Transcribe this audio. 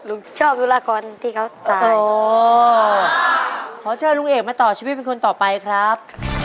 ชอบธุรากรที่เขาตายอ๋อขอเชิญลุงเอกมาต่อชีวิตเป็นคนต่อไปครับ